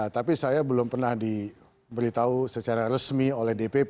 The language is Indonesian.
tapi saya belum pernah diberitahu secara resmi oleh dpp